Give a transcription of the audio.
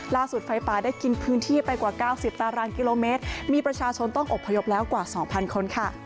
ไฟป่าได้กินพื้นที่ไปกว่า๙๐ตารางกิโลเมตรมีประชาชนต้องอบพยพแล้วกว่า๒๐๐คนค่ะ